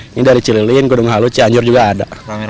ini dari cililin gunung halu cianjur juga ada